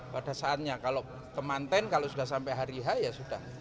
pada saatnya kalau kemanten kalau sudah sampai hari h ya sudah